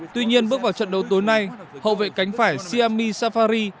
tuy nhiên bước vào trận đấu tối nay hậu vệ cánh phải siami safari